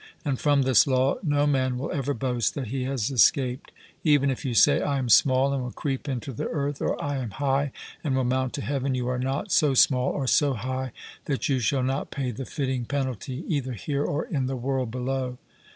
And from this law no man will ever boast that he has escaped. Even if you say 'I am small, and will creep into the earth,' or 'I am high, and will mount to heaven' you are not so small or so high that you shall not pay the fitting penalty, either here or in the world below.